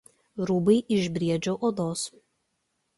Rūbai iš briedžių odos.